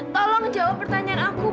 tolong jawab pertanyaan aku